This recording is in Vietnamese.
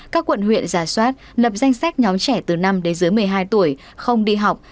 các quận huyện giả soát lập danh sách nhóm trẻ từ năm đến dưới một mươi hai tuổi không đi học